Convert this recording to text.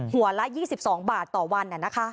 ละ๒๒บาทต่อวัน